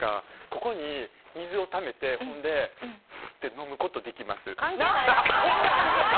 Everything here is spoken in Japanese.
ここに水をためてそれで飲むことできます。